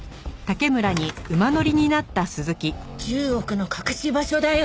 １０億の隠し場所だよ。